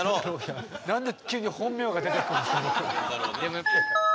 なんで急に本名が出てくる。